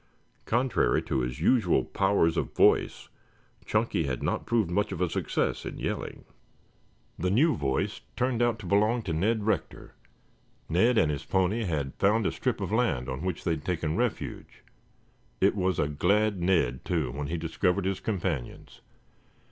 Contrary to his usual powers of voice, Chunky had not proved much of a success in yelling. The new voice turned out to belong to Ned Rector. Ned and his pony had found a strip of land on which they had taken refuge. It was a glad Ned, too, when he discovered his companions.